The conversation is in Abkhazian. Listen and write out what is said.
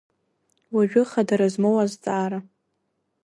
Уажәы хадара змоу азҵаара…